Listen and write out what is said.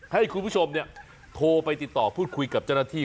ให้คุณผู้ชมโทรไปติดต่อพูดคุยกับเจ้าหน้าที่